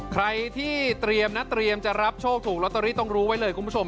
ใครที่เตรียมนะเตรียมจะรับโชคถูกลอตเตอรี่ต้องรู้ไว้เลยคุณผู้ชม